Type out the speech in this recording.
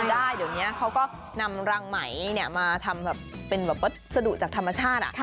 ได้เดี๋ยวนี้เค้าก็นำแรงไหมเนี่ยมาทำเป็นแบบดัดสะดุจากธรรมชาติ